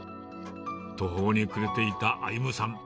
途方に暮れていた歩さん。